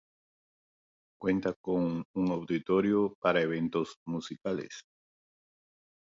Cuenta con un auditorio para eventos musicales.